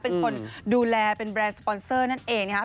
เป็นคนดูแลเป็นแบรนด์สปอนเซอร์นั่นเองนะครับ